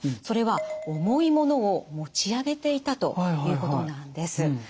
それは重い物を持ち上げていたということなんです。